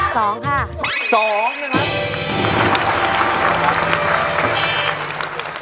สองค่ะสองนะครับ